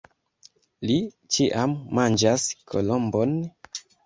Li ĉiam manĝas kolombon?